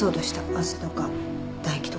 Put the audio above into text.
汗とか唾液とか。